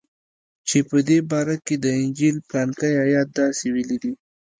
چې په دې باره کښې د انجيل پلانکى ايت داسې ويلي دي.